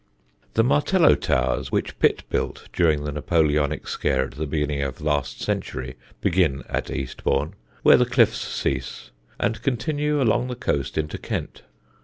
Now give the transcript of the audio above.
The Martello towers, which Pitt built during the Napoleonic scare at the beginning of last century, begin at Eastbourne, where the cliffs cease, and continue along the coast into Kent.